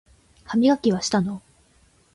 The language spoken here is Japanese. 歯磨きはしたの？